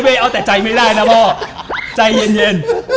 ว่าเย็น